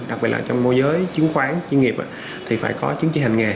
đặc biệt là trong môi giới chiến khoán chuyên nghiệp thì phải có chấn chỉnh hành nghề